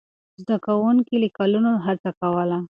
زده کوونکي له کلونو هڅه کوله.